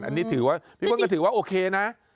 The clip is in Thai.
อันนี้พี่ปันก็ถือว่าโอเคนะ